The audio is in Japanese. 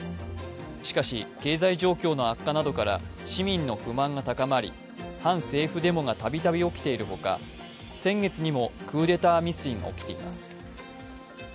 しかし、経済状況の悪化などから市民の不満が高まり、反政府デモがたびたび起きているほか、先月にもクーデター未遂が起きています。